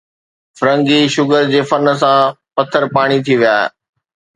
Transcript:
فرنگي شگر جي فن سان پٿر پاڻي ٿي ويا